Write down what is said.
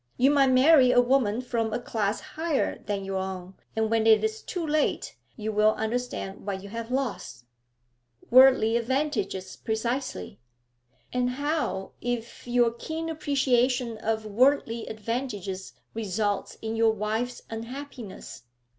You might marry a woman from a class higher than your own, and when it is too late you will understand what you have lost.' 'Worldly advantages, precisely.' 'And how if your keen appreciation of worldly advantages results in your wife's unhappiness?'